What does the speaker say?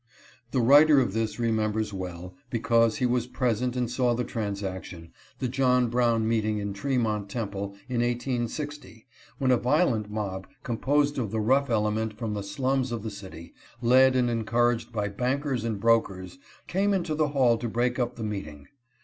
The writer of this remembers well, because he was present and saw the transaction, the John Brown meeting in Tremont Temple, in 1860, when a violent mob, composed of the rough element from the slums of the city, led and encouraged by bankers and brokers, came into the hall to break up the meeting.